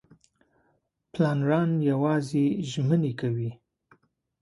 پلانران یوازې ژمنې کوي.